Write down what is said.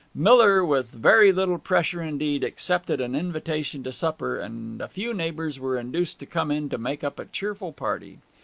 Miller, with very little pressure indeed, accepted an invitation to supper, and a few neighbours were induced to come in to make up a cheerful party.